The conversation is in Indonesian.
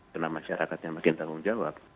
karena masyarakatnya masih yang tanggung jawab